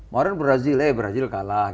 maren brazil eh brazil kalah